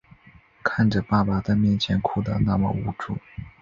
看着爸爸在面前哭的那么无助